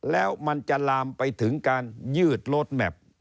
แล้วมันจะลามไปถึงการยืดโลดแมพ